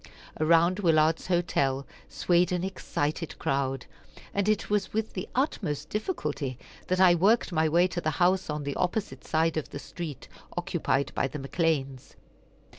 Around Willard's hotel swayed an excited crowd, and it was with the utmost difficulty that I worked my way to the house on the opposite side of the street, occupied by the McCleans.